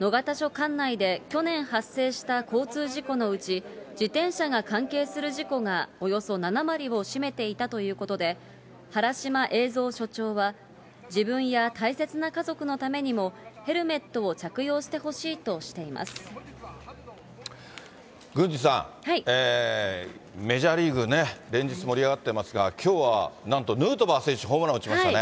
管内で去年発生した交通事故のうち、自転車が関係する事故がおよそ７割を占めていたということで、原島栄造署長は、自分や大切な家族のためにも、ヘルメットを着用郡司さん、メジャーリーグね、連日盛り上がってますが、きょうはなんとヌートバー選手がホームラン打ちましたね。